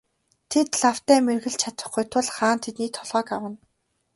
Тэд лавтай мэргэлж чадахгүй тул хаан тэдний толгойг авна.